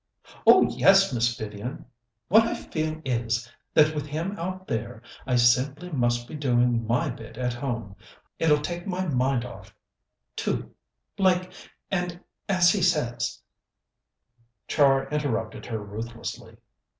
"Oh, yes, Miss Vivian. What I feel is, that with him out there, I simply must be doing my bit at home. It'll take my mind off, too, like, and as he says " Char interrupted her ruthlessly.